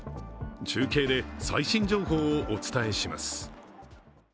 中継で最新情報をお伝えします。